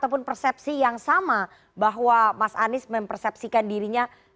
ataupun persepsi yang sama bahwa mas anies mempersepsikan dirinya